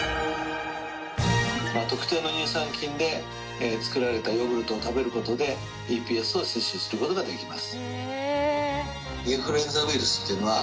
特定の乳酸菌で作られたヨーグルトを食べる事でＥＰＳを摂取する事ができます。